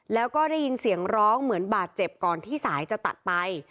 แล้วก็ได้ยินเสียงร้องเหมือนบาดเจ็บก่อนที่สายจะตัดไป